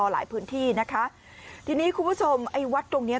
หลายพื้นที่นะคะทีนี้คุณผู้ชมไอ้วัดตรงเนี้ย